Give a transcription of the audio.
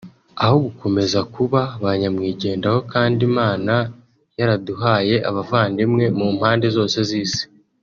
aho gukomeza kuba ba nyamwigendaho kandi Imana yaraduhaye abavandimwe mu mpande zose z’isi